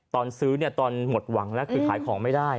ตอนซื้อตอนหมดหวังแล้วคือขายของไม่ได้